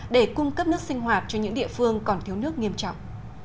để cung cấp nước sinh hoạt cho những địa phương còn thiếu nước nghiêm trọng